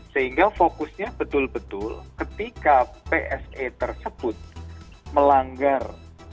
sehingga fokusnya betul betul ketika pse tersebut melanggar